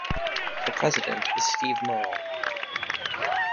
The president is Steve Murrell.